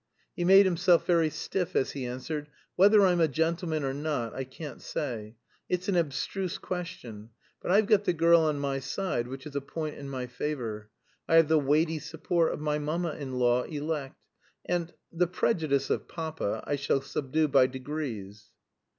He made himself very stiff as he answered, "Whether I'm a gentleman or not I can't say. It's an abstruse question. But I've got the girl on my side, which is a point in my favor; I have the weighty support of my mamma in law elect; and the prejudices of papa I shall subdue by degrees."